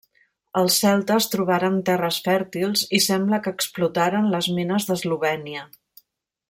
Els celtes trobaren terres fèrtils i sembla que explotaren les mines d'Eslovènia.